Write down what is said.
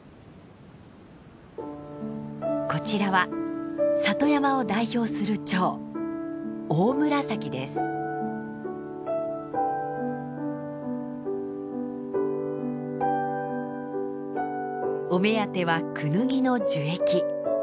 こちらは里山を代表するチョウお目当てはクヌギの樹液。